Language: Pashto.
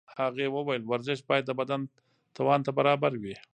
هغې وویل ورزش باید د بدن توان ته برابر وي.